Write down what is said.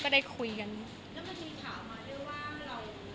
ก็ได้คุยกัน